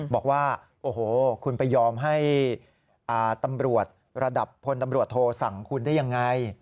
บอกว่าโอ้โหคุณไปยอมให้ตำรวจระดับพลตำรวจโทรสั่งคุณได้ยังไง